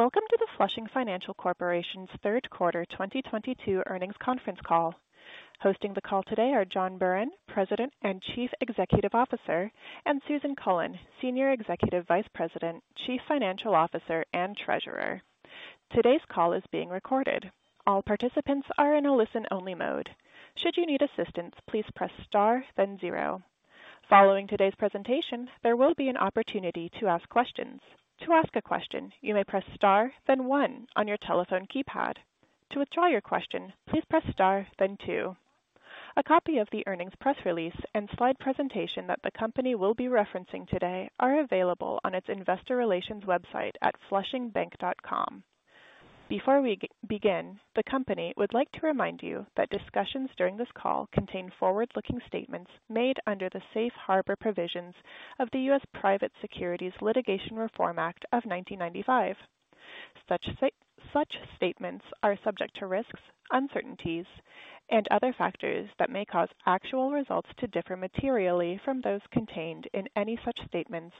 Welcome to the Flushing Financial Corporation's third quarter 2022 earnings conference call. Hosting the call today are John Buran, President and Chief Executive Officer, and Susan Cullen, Senior Executive Vice President, Chief Financial Officer, and Treasurer. Today's call is being recorded. All participants are in a listen-only mode. Should you need assistance, please press star then zero. Following today's presentation, there will be an opportunity to ask questions. To ask a question, you may press star then one on your telephone keypad. To withdraw your question, please press star then two. A copy of the earnings press release and slide presentation that the company will be referencing today are available on its Investor Relations website at flushingbank.com. Before we begin, the company would like to remind you that discussions during this call contain forward-looking statements made under the Safe Harbor Provisions of the U.S. Private Securities Litigation Reform Act of 1995. Such statements are subject to risks, uncertainties, and other factors that may cause actual results to differ materially from those contained in any such statements,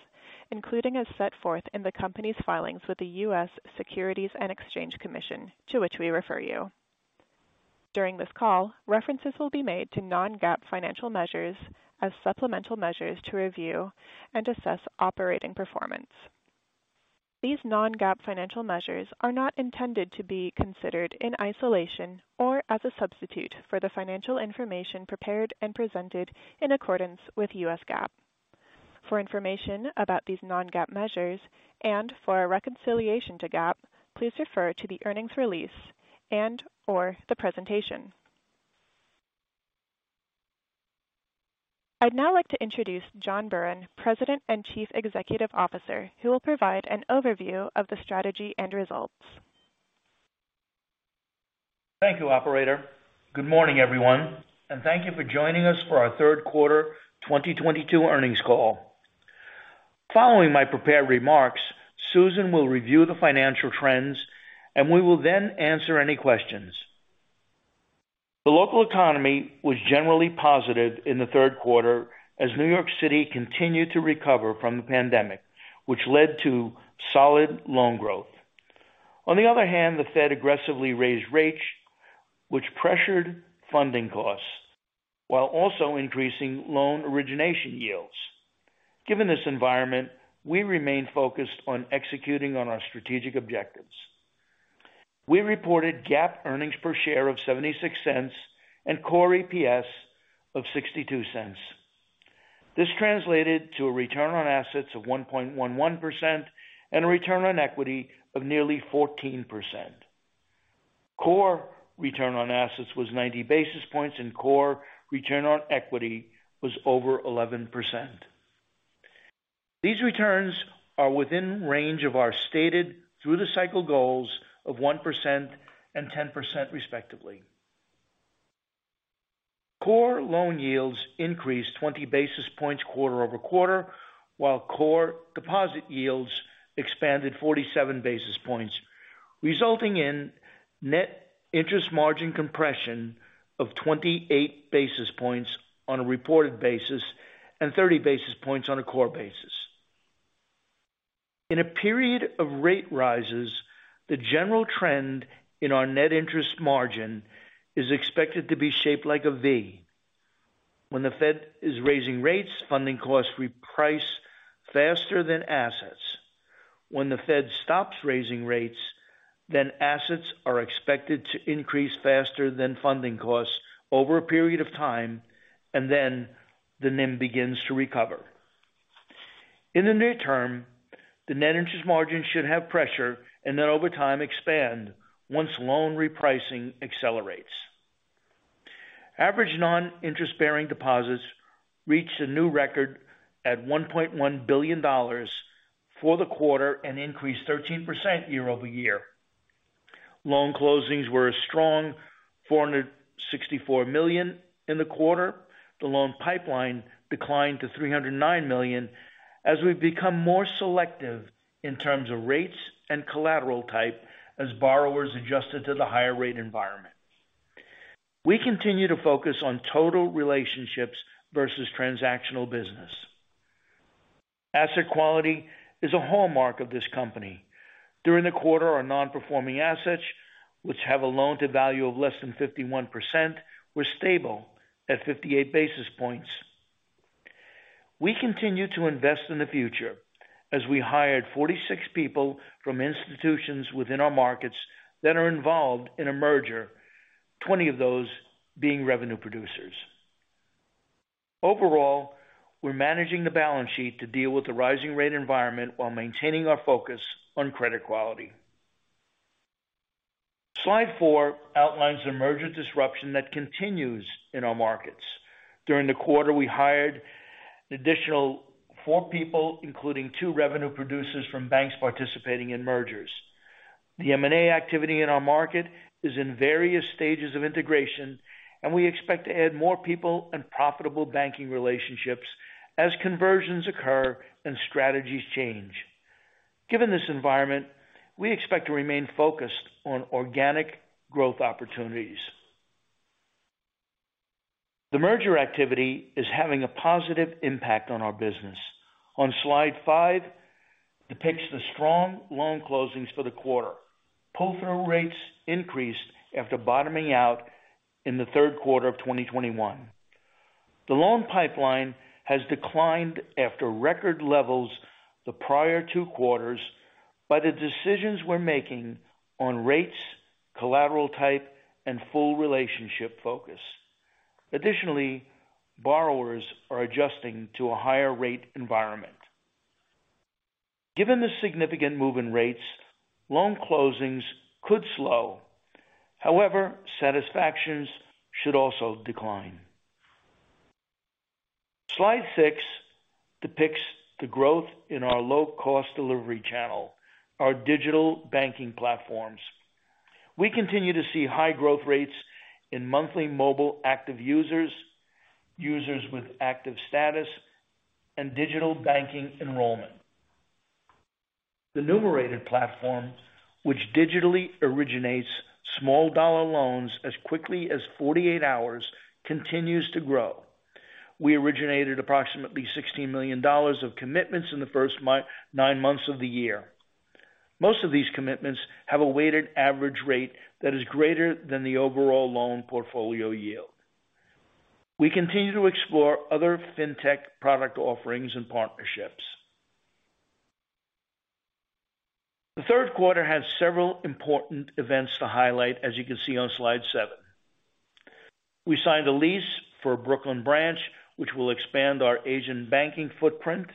including as set forth in the company's filings with the U.S. Securities and Exchange Commission, to which we refer you. During this call, references will be made to non-GAAP financial measures as supplemental measures to review and assess operating performance. These non-GAAP financial measures are not intended to be considered in isolation or as a substitute for the financial information prepared and presented in accordance with U.S. GAAP. For information about these non-GAAP measures and for a reconciliation to GAAP, please refer to the earnings release and/or the presentation. I'd now like to introduce John Buran, President and Chief Executive Officer, who will provide an overview of the strategy and results. Thank you, operator. Good morning, everyone, and thank you for joining us for our third quarter 2022 earnings call. Following my prepared remarks, Susan will review the financial trends, and we will then answer any questions. The local economy was generally positive in the third quarter as New York City continued to recover from the pandemic, which led to solid loan growth. On the other hand, the Fed aggressively raised rates, which pressured funding costs while also increasing loan origination yields. Given this environment, we remain focused on executing on our strategic objectives. We reported GAAP Earnings Per Share of $0.76 and core EPS of $0.62. This translated to a return on assets of 1.11% and a return on equity of nearly 14%. Core return on assets was 90 basis points, and core return on equity was over 11%. These returns are within range of our stated through-the-cycle goals of 1% and 10% respectively. Core loan yields increased 20 basis points quarter-over-quarter, while core deposit yields expanded 47 basis points, resulting in net interest margin compression of 28 basis points on a reported basis and 30 basis points on a core basis. In a period of rate rises, the general trend in our net interest margin is expected to be shaped like a V. When the Fed is raising rates, funding costs reprice faster than assets. When the Fed stops raising rates, then assets are expected to increase faster than funding costs over a period of time, and then the NIM begins to recover. In the near term, the net interest margin should have pressure and then over time expand once loan repricing accelerates. Average non-interest-bearing deposits reached a new record at $1.1 billion for the quarter and increased 13% year-over-year. Loan closings were a strong $464 million in the quarter. The loan pipeline declined to $309 million as we've become more selective in terms of rates and collateral type as borrowers adjusted to the higher rate environment. We continue to focus on total relationships versus transactional business. Asset quality is a hallmark of this company. During the quarter, our non-performing assets, which have a loan-to-value of less than 51%, were stable at 58 basis points. We continue to invest in the future as we hired 46 people from institutions within our markets that are involved in a merger, 20 of those being revenue producers. Overall, we're managing the balance sheet to deal with the rising rate environment while maintaining our focus on credit quality. Slide four outlines the merger disruption that continues in our markets. During the quarter, we hired additional four people, including two revenue producers from banks participating in mergers. The M&A activity in our market is in various stages of integration, and we expect to add more people and profitable banking relationships as conversions occur and strategies change. Given this environment, we expect to remain focused on organic growth opportunities. The merger activity is having a positive impact on our business. On slide five depicts the strong loan closings for the quarter. Pull-through rates increased after bottoming out in the third quarter of 2021. The loan pipeline has declined after record levels the prior two quarters by the decisions we're making on rates, collateral type, and full relationship focus. Additionally, borrowers are adjusting to a higher rate environment. Given the significant move in rates, loan closings could slow. However, satisfactions should also decline. Slide six depicts the growth in our low-cost delivery channel, our digital banking platforms. We continue to see high growth rates in monthly mobile active users with active status, and digital banking enrollment. The Numerated platform, which digitally originates small dollar loans as quickly as 48 hours, continues to grow. We originated approximately $16 million of commitments in the first nine months of the year. Most of these commitments have a weighted average rate that is greater than the overall loan portfolio yield. We continue to explore other FinTech product offerings and partnerships. The third quarter has several important events to highlight, as you can see on slide seven. We signed a lease for Brooklyn branch, which will expand our Asian banking footprint.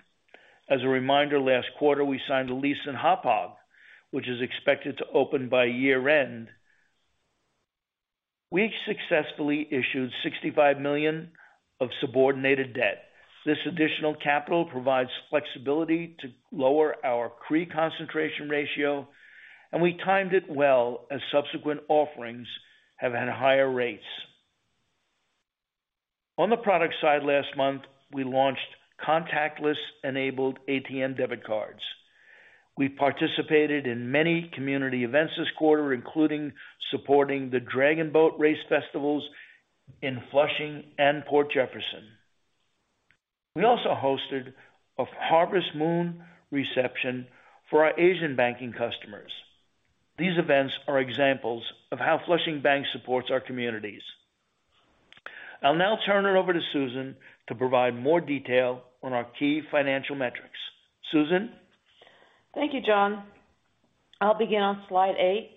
As a reminder, last quarter we signed a lease in Hauppauge, which is expected to open by year-end. We successfully issued $65 million of subordinated debt. This additional capital provides flexibility to lower our CRE concentration ratio, and we timed it well as subsequent offerings have had higher rates. On the product side, last month, we launched contactless-enabled ATM debit cards. We participated in many community events this quarter, including supporting the Dragon Boat Race Festivals in Flushing and Port Jefferson. We also hosted a Harvest Moon reception for our Asian banking customers. These events are examples of how Flushing Bank supports our communities. I'll now turn it over to Susan to provide more detail on our key financial metrics. Susan? Thank you, John. I'll begin on slide eight.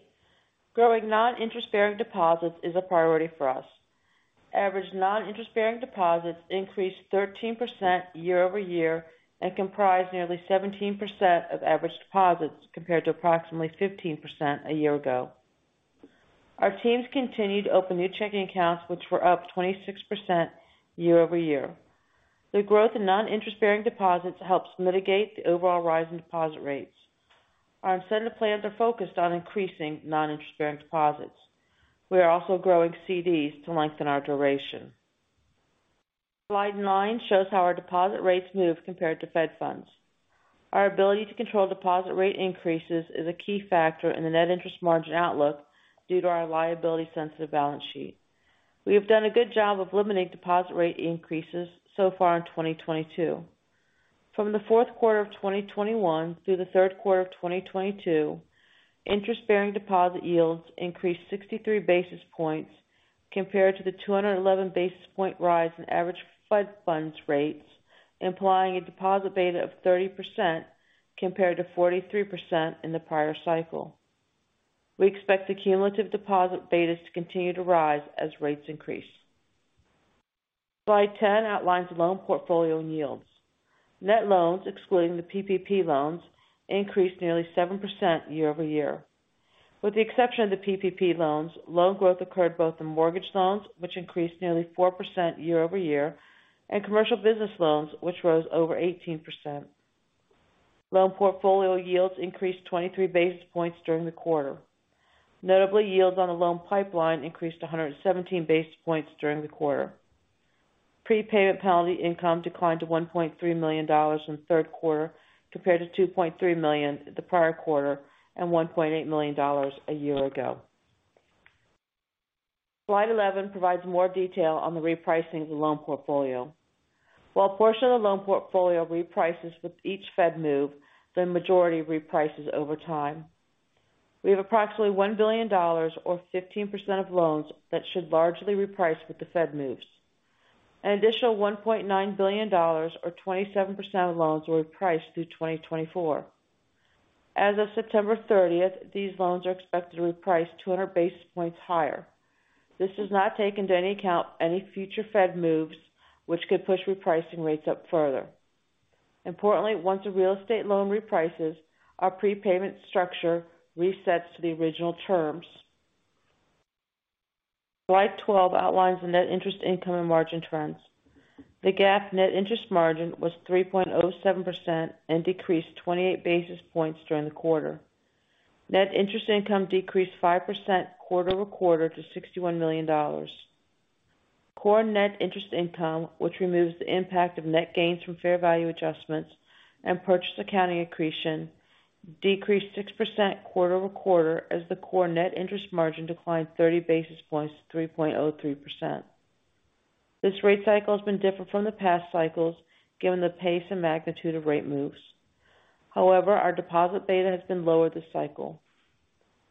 Growing non-interest-bearing deposits is a priority for us. Average non-interest-bearing deposits increased 13% year-over-year and comprise nearly 17% of average deposits, compared to approximately 15% a year ago. Our teams continued to open new checking accounts, which were up 26% year-over-year. The growth in non-interest-bearing deposits helps mitigate the overall rise in deposit rates. Our incentive plans are focused on increasing non-interest-bearing deposits. We are also growing CDs to lengthen our duration. Slide nine shows how our deposit rates move compared to Fed funds. Our ability to control deposit rate increases is a key factor in the net interest margin outlook due to our liability-sensitive balance sheet. We have done a good job of limiting deposit rate increases so far in 2022. From the fourth quarter of 2021 through the third quarter of 2022, interest-bearing deposit yields increased 63 basis points compared to the 211 basis point rise in average Fed funds rates, implying a deposit beta of 30% compared to 43% in the prior cycle. We expect the cumulative deposit betas to continue to rise as rates increase. Slide 10 outlines loan portfolio and yields. Net loans, excluding the PPP loans, increased nearly 7% year-over-year. With the exception of the PPP loans, loan growth occurred both in mortgage loans, which increased nearly 4% year-over-year, and commercial business loans, which rose over 18%. Loan portfolio yields increased 23 basis points during the quarter. Notably, yields on the loan pipeline increased 117 basis points during the quarter. Prepayment penalty income declined to $1.3 million in the third quarter, compared to $2.3 million the prior quarter and $1.8 million a year ago. Slide 11 provides more detail on the repricing of the loan portfolio. While a portion of the loan portfolio reprices with each Fed move, the majority reprices over time. We have approximately $1 billion or 15% of loans that should largely reprice with the Fed moves. An additional $1.9 billion or 27% of loans will reprice through 2024. As of September 30, these loans are expected to reprice 200 basis points higher. This does not take into any account any future Fed moves which could push repricing rates up further. Importantly, once a real estate loan reprices, our prepayment structure resets to the original terms. Slide 12 outlines the net interest income and margin trends. The GAAP net interest margin was 3.07% and decreased 28 basis points during the quarter. Net interest income decreased 5% quarter-over-quarter to $61 million. Core net interest income, which removes the impact of net gains from fair value adjustments and purchase accounting accretion, decreased 6% quarter-over-quarter as the core net interest margin declined 30 basis points to 3.03%. This rate cycle has been different from the past cycles given the pace and magnitude of rate moves. However, our deposit beta has been lower this cycle.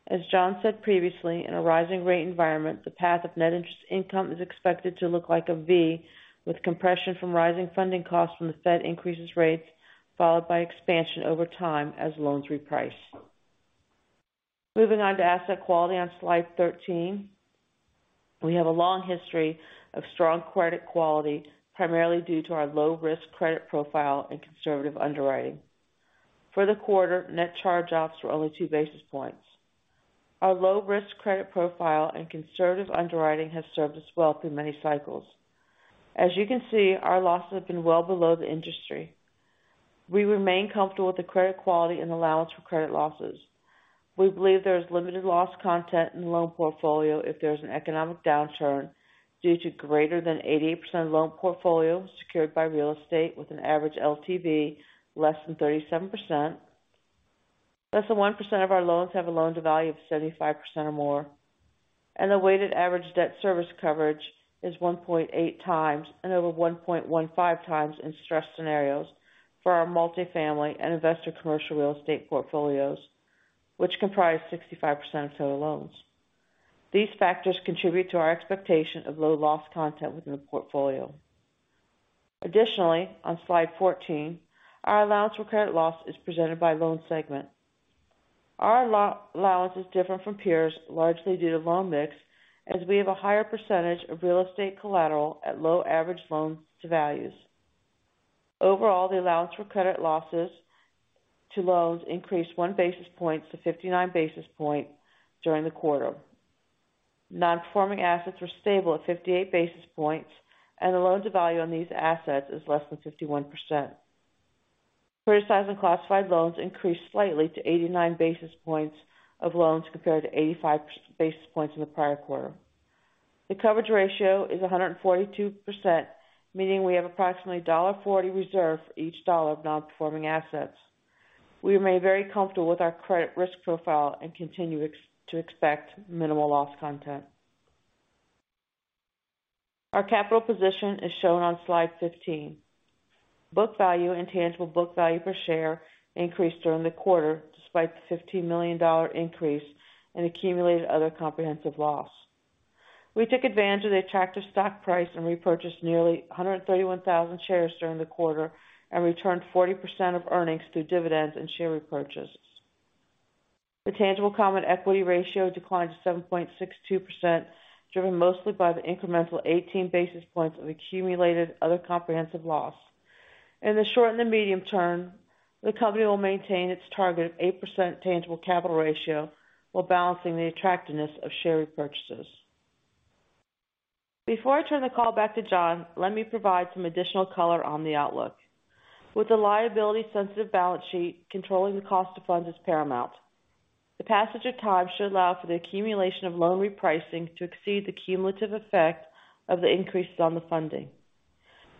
As John said previously, in a rising rate environment, the path of net interest income is expected to look like a V, with compression from rising funding costs from the Fed increasing rates, followed by expansion over time as loans reprice. Moving on to asset quality on slide 13. We have a long history of strong credit quality, primarily due to our low risk credit profile and conservative underwriting. For the quarter, net charge-offs were only 2 basis points. Our low risk credit profile and conservative underwriting has served us well through many cycles. As you can see, our losses have been well below the industry. We remain comfortable with the credit quality and allowance for credit losses. We believe there is limited loss content in the loan portfolio if there's an economic downturn due to greater than 88% loan portfolio secured by real estate with an average LTV less than 37%. Less than 1% of our loans have a loan-to-value of 75% or more, and the weighted average debt service coverage is 1.8x and over 1.15x in stress scenarios for our multifamily and investor commercial real estate portfolios, which comprise 65% of total loans. These factors contribute to our expectation of low loss content within the portfolio. Additionally, on slide 14, our allowance for credit losses is presented by loan segment. Our allowance is different from peers, largely due to loan mix, as we have a higher percentage of real estate collateral at low average loans-to-values. Overall, the allowance for credit losses to loans increased 1 basis point to 59 basis points during the quarter. Non-performing assets were stable at 58 basis points, and the loan-to-value on these assets is less than 51%. Criticized and classified loans increased slightly to 89 basis points of loans compared to 85 basis points in the prior quarter. The coverage ratio is 142%, meaning we have approximately $1.40 reserved for each dollar of non-performing assets. We remain very comfortable with our credit risk profile and continue to expect minimal losses. Our capital position is shown on slide 15. Book value and tangible book value per share increased during the quarter, despite the $15 million increase in accumulated other comprehensive loss. We took advantage of the attractive stock price and repurchased nearly 131,000 shares during the quarter and returned 40% of earnings through dividends and share repurchases. The tangible common equity ratio declined to 7.62%, driven mostly by the incremental 18 basis points of accumulated other comprehensive loss. In the short and the medium term, the company will maintain its target of 8% tangible capital ratio while balancing the attractiveness of share repurchases. Before I turn the call back to John, let me provide some additional color on the outlook. With the liability sensitive balance sheet, controlling the cost of funds is paramount. The passage of time should allow for the accumulation of loan repricing to exceed the cumulative effect of the increases on the funding.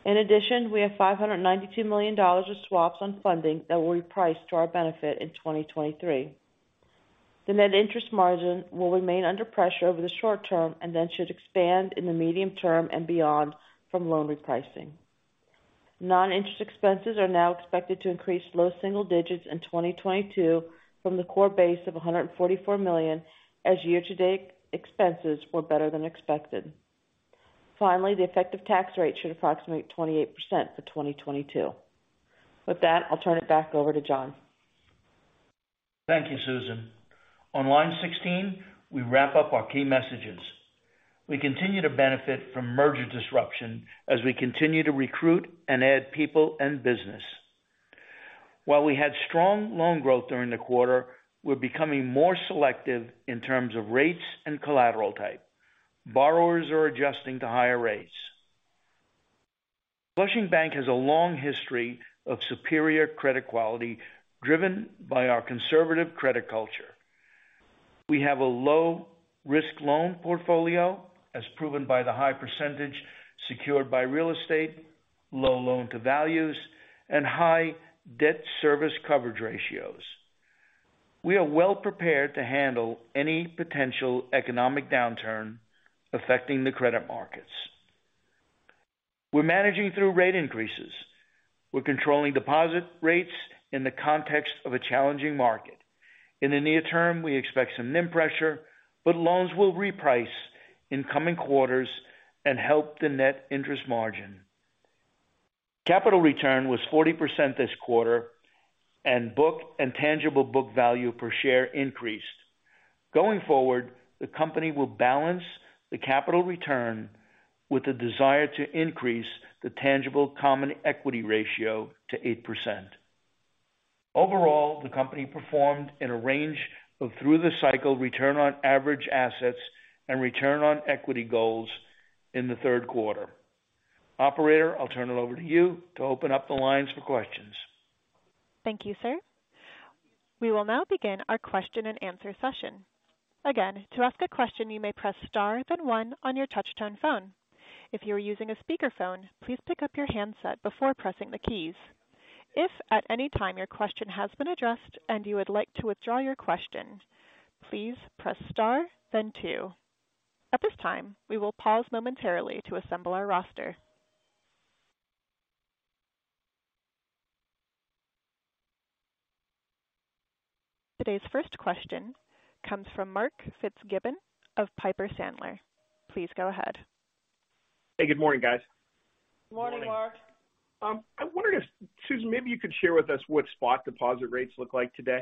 In addition, we have $592 million of swaps on funding that will reprice to our benefit in 2023. The net interest margin will remain under pressure over the short term and then should expand in the medium term and beyond from loan repricing. Noninterest expenses are now expected to increase low single digits in 2022 from the core base of $144 million as year-to-date expenses were better than expected. Finally, the effective tax rate should approximate 28% for 2022. With that, I'll turn it back over to John. Thank you, Susan. On slide 16, we wrap up our key messages. We continue to benefit from merger disruption as we continue to recruit and add people and business. While we had strong loan growth during the quarter, we're becoming more selective in terms of rates and collateral type. Borrowers are adjusting to higher rates. Flushing Bank has a long history of superior credit quality driven by our conservative credit culture. We have a low risk loan portfolio, as proven by the high percentage secured by real estate, low loan-to-values, and high debt service coverage ratios. We are well prepared to handle any potential economic downturn affecting the credit markets. We're managing through rate increases. We're controlling deposit rates in the context of a challenging market. In the near term, we expect some NIM pressure, but loans will reprice in coming quarters and help the net interest margin. Capital return was 40% this quarter, and book and tangible book value per share increased. Going forward, the company will balance the capital return with the desire to increase the tangible common equity ratio to 8%. Overall, the company performed in a range of through the cycle return on average assets and return on equity goals in the third quarter. Operator, I'll turn it over to you to open up the lines for questions. Thank you, sir. We will now begin our question-and-answer session. Again, to ask a question you may press star then one on your touch-tone phone. If you are using a speakerphone, please pick up your handset before pressing the keys. If at any time your question has been addressed and you would like to withdraw your question, please press star then two. At this time, we will pause momentarily to assemble our roster. Today's first question comes from Mark Fitzgibbon of Piper Sandler. Please go ahead. Hey, good morning, guys. Morning, Mark. I'm wondering if, Susan, maybe you could share with us what spot deposit rates look like today?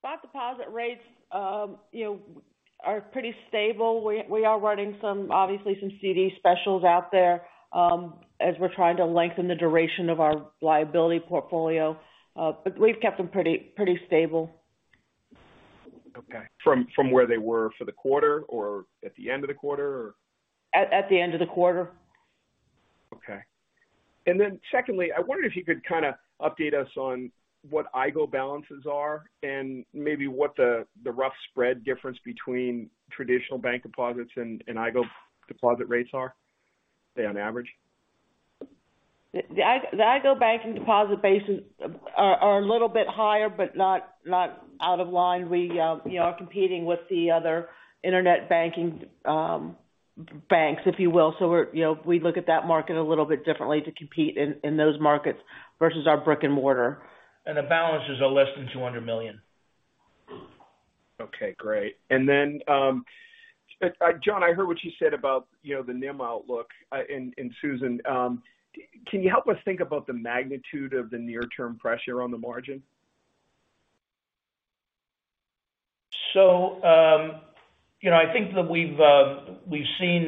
Spot deposit rates, you know, are pretty stable. We are running some, obviously some CD specials out there, as we're trying to lengthen the duration of our liability portfolio. We've kept them pretty stable. Okay. From where they were for the quarter or at the end of the quarter or? At the end of the quarter. Okay. Secondly, I wondered if you could kind of update us on what iGo balances are and maybe what the rough spread difference between traditional bank deposits and iGo deposit rates are, say, on average? The iGo banking deposit bases are a little bit higher, but not out of line. We, you know, are competing with the other internet banking banks, if you will. We're, you know, we look at that market a little bit differently to compete in those markets versus our brick and mortar. The balances are less than $200 million. Okay, great. John, I heard what you said about, you know, the NIM outlook, and Susan, can you help us think about the magnitude of the near-term pressure on the margin? You know, I think that we've seen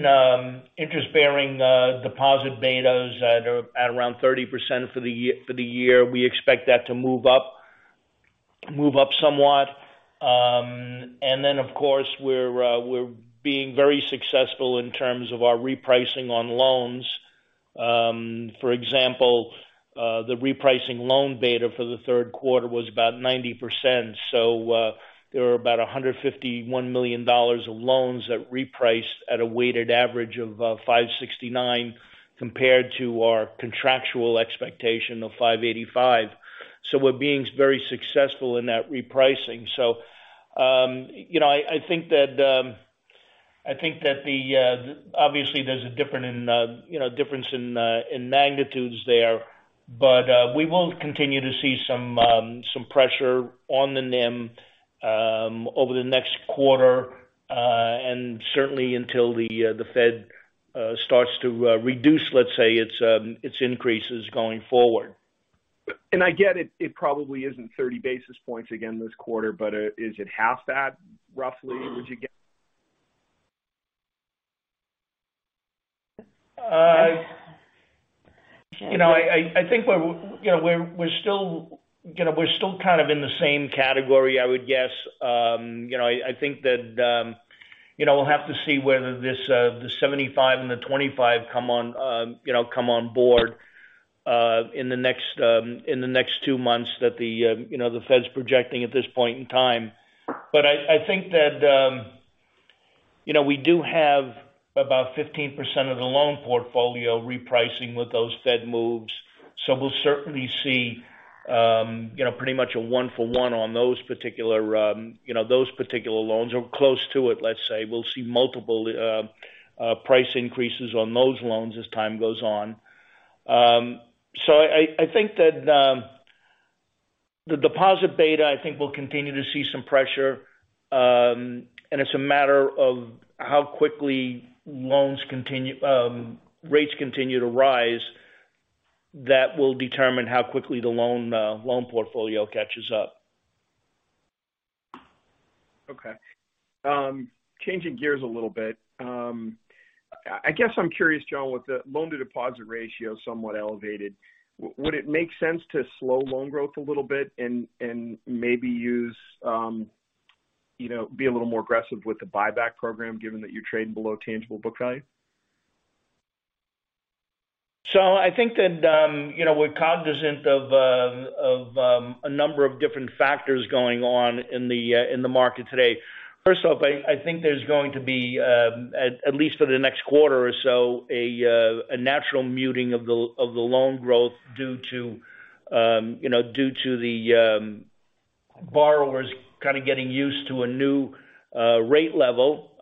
interest-bearing deposit betas that are at around 30% for the year. We expect that to move up somewhat. Then of course, we're being very successful in terms of our repricing on loans. For example, the repricing loan beta for the third quarter was about 90%. There were about $151 million of loans that repriced at a weighted average of 5.69% compared to our contractual expectation of 5.85%. We're being very successful in that repricing. You know, I think that obviously there's a difference in magnitudes there. We will continue to see some pressure on the NIM over the next quarter and certainly until the Fed starts to reduce, let's say, its increases going forward. I get it probably isn't 30 basis points again this quarter, but, is it half that roughly, would you guess? You know, I think we're still kind of in the same category, I would guess. You know, I think that we'll have to see whether this the 75% and the 25% come on, you know, come on board in the next two months that the you know the Fed's projecting at this point in time. I think that you know we do have about 15% of the loan portfolio repricing with those Fed moves. We'll certainly see you know pretty much a one-for-one on those particular loans or close to it, let's say. We'll see multiple price increases on those loans as time goes on. I think that the deposit beta, I think, will continue to see some pressure. It's a matter of how quickly rates continue to rise that will determine how quickly the loan portfolio catches up. Changing gears a little bit. I guess I'm curious, John, with the loan-to-deposit ratio somewhat elevated, would it make sense to slow loan growth a little bit and maybe use you know be a little more aggressive with the buyback program, given that you're trading below tangible book value? I think that, you know, we're cognizant of a number of different factors going on in the market today. First off, I think there's going to be at least for the next quarter or so a natural muting of the loan growth due to you know due to the borrowers kind of getting used to a new rate level.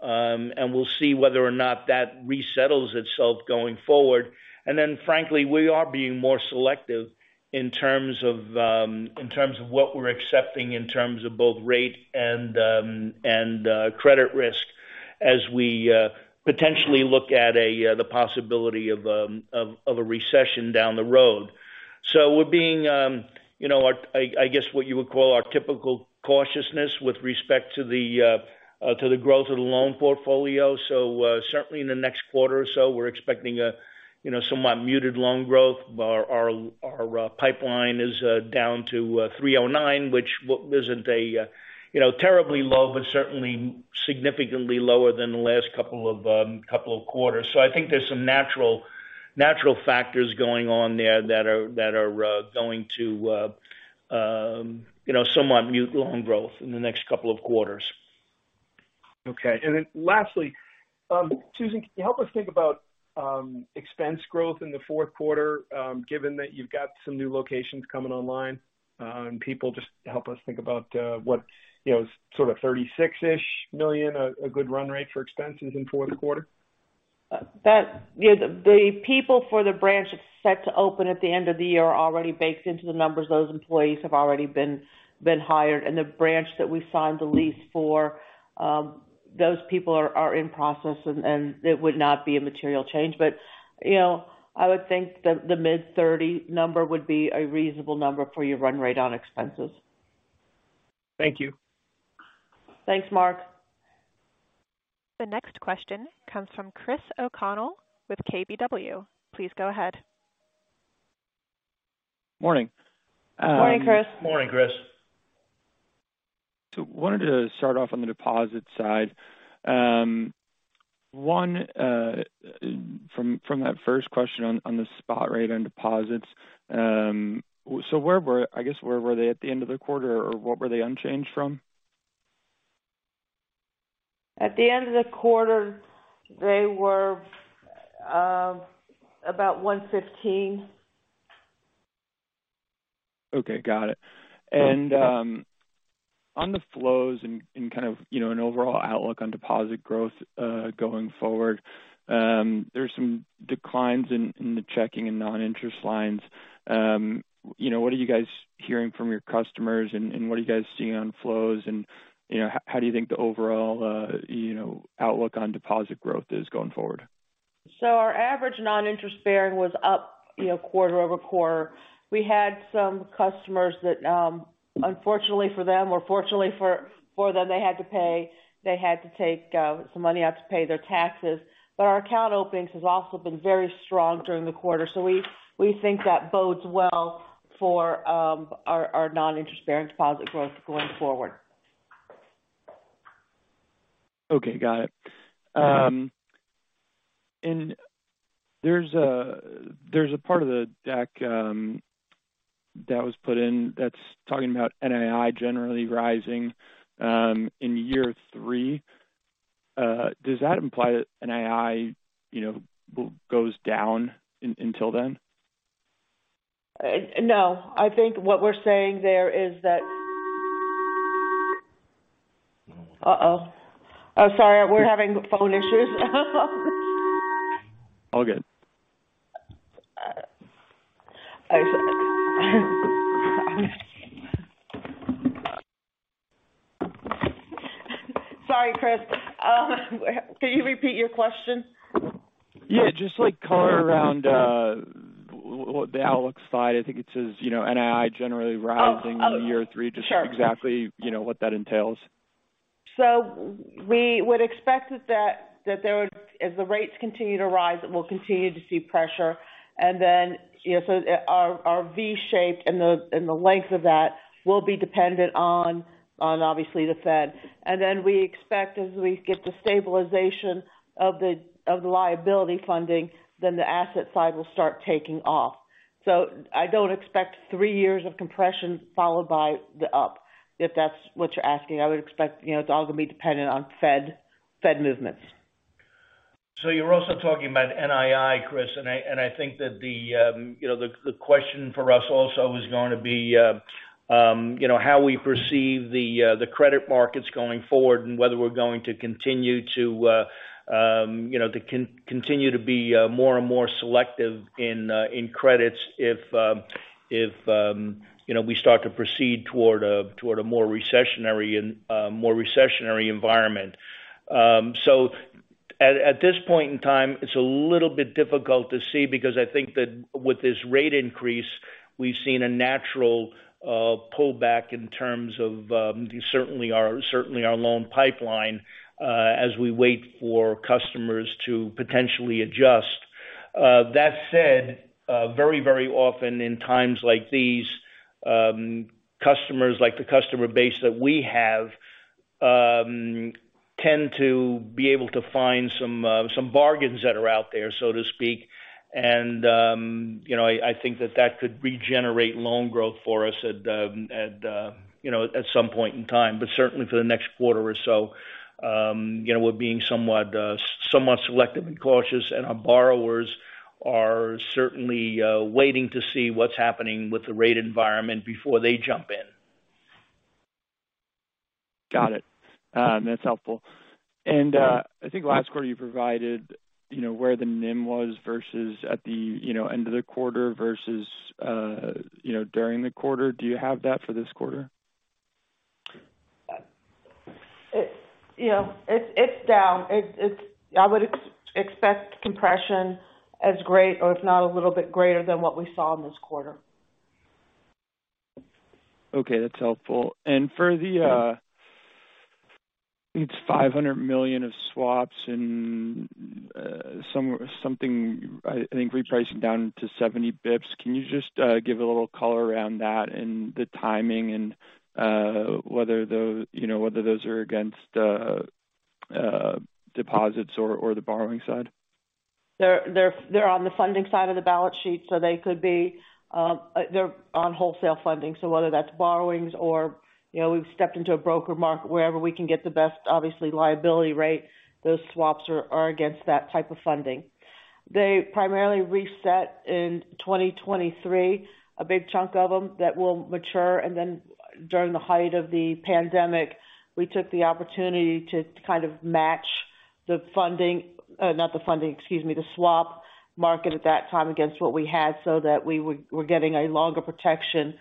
We'll see whether or not that resettles itself going forward. Then frankly, we are being more selective in terms of what we're accepting in terms of both rate and credit risk as we potentially look at the possibility of a recession down the road. We're being, you know, I guess, what you would call our typical cautiousness with respect to the growth of the loan portfolio. Certainly in the next quarter or so, we're expecting a, you know, somewhat muted loan growth. Our pipeline is down to $309 million, which isn't a, you know, terribly low, but certainly significantly lower than the last couple of quarters. I think there's some natural factors going on there that are going to, you know, somewhat muted loan growth in the next couple of quarters. Okay. Lastly, Susan, can you help us think about expense growth in the fourth quarter, given that you've got some new locations coming online, and help us think about what, you know, sort of $36-ish million a good run-rate for expenses in fourth quarter? Yeah, the people for the branch set to open at the end of the year are already baked into the numbers. Those employees have already been hired. The branch that we signed the lease for, those people are in process and it would not be a material change. You know, I would think the mid-thirty number would be a reasonable number for your run-rate on expenses. Thank you. Thanks, Mark. The next question comes from Chris O'Connell with KBW. Please go ahead. Morning. Morning, Chris. Morning, Chris. Wanted to start off on the deposit side. From that first question on the spot rate on deposits. I guess, where were they at the end of the quarter, or what were they unchanged from? At the end of the quarter, they were about 115%. Okay. Got it. On the flows and kind of, you know, an overall outlook on deposit growth going forward, there's some declines in the checking and non-interest lines. You know, what are you guys hearing from your customers and what are you guys seeing on flows? You know, how do you think the overall outlook on deposit growth is going forward? Our average non-interest-bearing was up, you know, quarter-over-quarter. We had some customers that unfortunately for them or fortunately for them, they had to pay. They had to take some money out to pay their taxes. Our account openings has also been very strong during the quarter. We think that bodes well for our non-interest-bearing deposit growth going forward. Okay. Got it. There's a part of the deck that was put in that's talking about NII generally rising in year three. Does that imply that NII, you know, goes down until then? No. I think what we're saying there is that. Sorry. We're having phone issues. All good. I'm sorry, Chris. Can you repeat your question? Yeah, just like color around, well, the outlook slide. I think it says, you know, NII generally rising. Oh. Oh. in year three. Sure. Just exactly, you know, what that entails. We would expect as the rates continue to rise, we'll continue to see pressure. You know, so our V shape and the length of that will be dependent on obviously the Fed. We expect as we get the stabilization of the liability funding, then the asset side will start taking off. I don't expect three years of compression followed by the up, if that's what you're asking. I would expect you know, it's all going to be dependent on Fed movements. You're also talking about NII, Chris, and I think that the question for us also is going to be how we perceive the credit markets going forward and whether we're going to continue to be more and more selective in credits if we start to proceed toward a more recessionary environment. At this point in time, it's a little bit difficult to see because I think that with this rate increase, we've seen a natural pullback in terms of certainly our loan pipeline as we wait for customers to potentially adjust. That said, very often in times like these, customers like the customer base that we have tend to be able to find some bargains that are out there, so to speak. You know, I think that could regenerate loan growth for us at some point in time. Certainly for the next quarter or so, you know, we're being somewhat selective and cautious, and our borrowers are certainly waiting to see what's happening with the rate environment before they jump in. Got it. That's helpful. I think last quarter you provided, you know, where the NIM was versus at the, you know, end of the quarter versus, you know, during the quarter. Do you have that for this quarter? You know, it's down. I would expect compression as great or if not a little bit greater than what we saw in this quarter. Okay. That's helpful. For the, I think it's $500 million of swaps and something, I think repricing down to 70 basis points. Can you just give a little color around that and the timing and whether those, you know, are against. Deposits or the borrowing side? They're on the funding side of the balance sheet, so they could be. They're on wholesale funding, so whether that's borrowings or, you know, we've stepped into a broker market wherever we can get the best, obviously, liability rate. Those swaps are against that type of funding. They primarily reset in 2023, a big chunk of them that will mature. Then during the height of the pandemic, we took the opportunity to kind of match the swap market at that time against what we had so that we were getting a longer protection.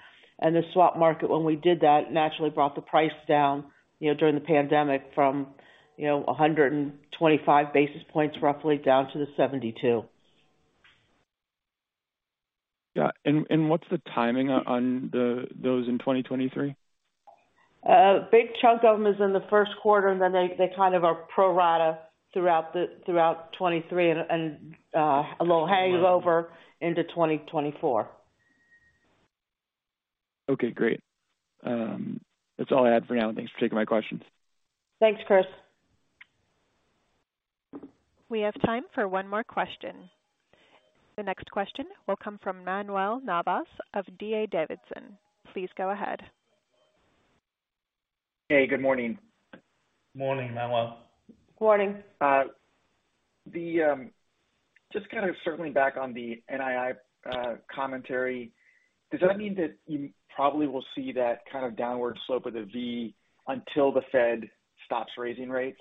The swap market when we did that, naturally brought the price down, you know, during the pandemic from, you know, 125 basis points roughly down to the 72. Yeah. What's the timing on those in 2023? Big chunk of them is in the first quarter, and then they kind of are pro-rata throughout 2023 and a little hangover into 2024. Okay, great. That's all I had for now, and thanks for taking my questions. Thanks, Chris. We have time for one more question. The next question will come from Manuel Navas of D.A. Davidson. Please go ahead. Hey, good morning. Morning, Manuel. Morning. Just kind of circling back on the NII commentary. Does that mean that you probably will see that kind of downward slope of the V until the Fed stops raising rates?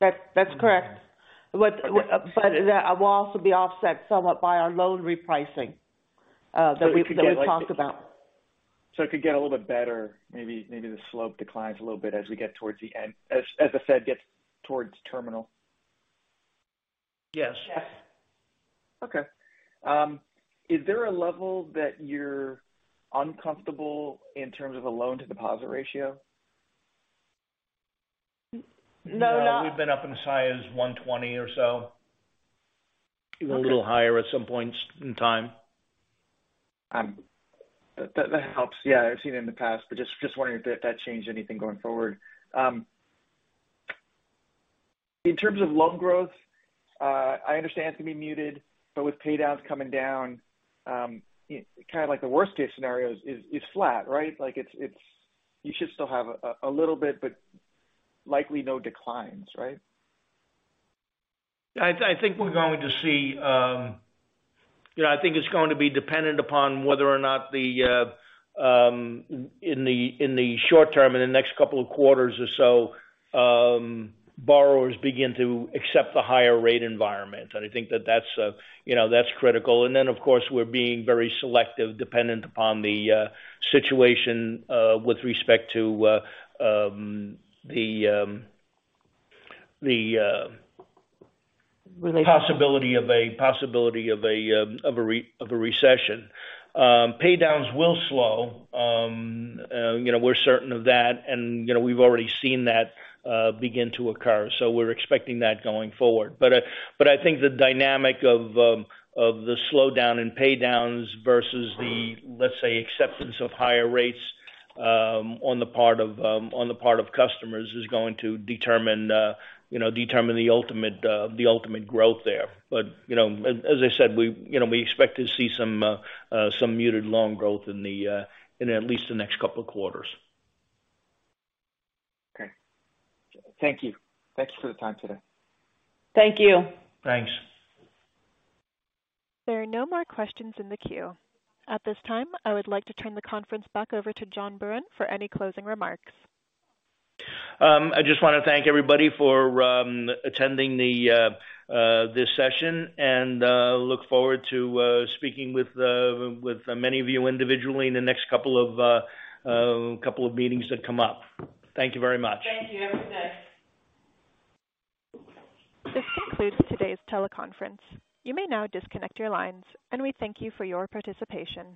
That's correct. That will also be offset somewhat by our loan repricing that we talked about. It could get a little bit better. Maybe the slope declines a little bit as the Fed gets towards terminal. Yes. Yes. Okay. Is there a level that you're uncomfortable in terms of a loan-to-deposit ratio? No, not. We've been up as high as 120% or so. Okay. Even a little higher at some points in time. That helps. Yeah, I've seen it in the past. Just wondering if that changed anything going forward. In terms of loan growth, I understand it's gonna be muted, but with paydowns coming down, kind of like the worst-case scenario is flat, right? Like it's you should still have a little bit, but likely no declines, right? I think we're going to see. You know, I think it's going to be dependent upon whether or not, in the short term, in the next couple of quarters or so, borrowers begin to accept the higher rate environment. I think that's critical. Of course, we're being very selective dependent upon the situation with respect to the possibility of a recession. Paydowns will slow. You know, we're certain of that. You know, we've already seen that begin to occur. We're expecting that going forward. I think the dynamic of the slowdown in paydowns versus the, let's say, acceptance of higher rates on the part of customers is going to determine, you know, the ultimate growth there. You know, as I said, we, you know, we expect to see some muted loan growth in at least the next couple of quarters. Okay. Thank you. Thanks for the time today. Thank you. Thanks. There are no more questions in the queue. At this time, I would like to turn the conference back over to John Buran for any closing remarks. I just wanna thank everybody for attending this session, and look forward to speaking with many of you individually in the next couple of meetings that come up. Thank you very much. Thank you. Have a good day. This concludes today's teleconference. You may now disconnect your lines, and we thank you for your participation.